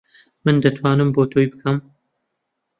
من دەتوانم بۆ تۆی بکەم.